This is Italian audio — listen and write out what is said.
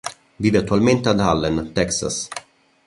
Vive attualmente ad Allen, Texas.